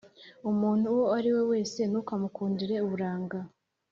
Umuntu uwo ari we wese ntukamukundire uburanga,